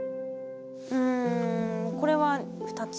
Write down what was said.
うんこれは２つ。